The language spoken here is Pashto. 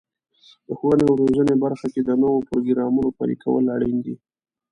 د ښوونې او روزنې برخه کې د نوو پروګرامونو پلي کول اړین دي.